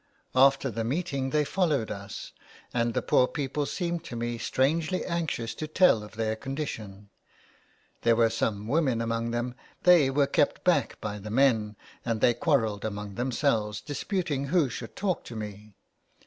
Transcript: After the meeting they followed us, and the poor people seemed to me 230 A PLAY HOUSE IN THE WASTE. strangely anxious to tell of their condition. There were some women among them ; they were kept back by the men, and they quarrelled among themselves, disputing who should talk to me.